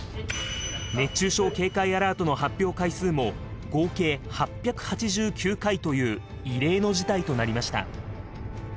熱中症警戒アラートの発表回数も合計８８９回という異例の事態となりました。